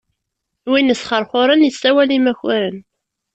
Win isxeṛxuṛen, yessawal i imakaren.